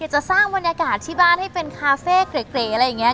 จะสร้างบรรยากาศที่บ้านให้เป็นคาเฟ่เก๋อะไรอย่างนี้